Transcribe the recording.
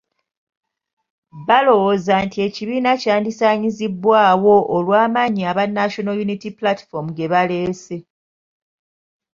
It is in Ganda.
Balowooza nti ekibiina kyandisaanyizibwawo olw'amaanyi aba National Unity Platform ge baleese.